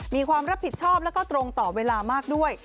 มีความรับผิดชอบแล้วก็ตรงต่อเวลามากด้วย